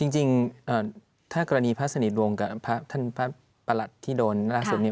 จริงถ้ากรณีพระสนิทวงศ์กับพระประหลัดที่โดนนักศึกษ์นี้